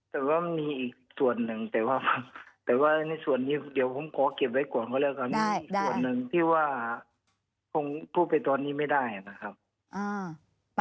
แต่ว่ามันมีอีกส่วนหนึ่งแต่ว่าแต่ว่าในส่วนนี้เดี๋ยวผมขอเก็บไว้ก่อนก็แล้วกันอีกส่วนหนึ่งที่ว่าคงพูดไปตอนนี้ไม่ได้นะครับ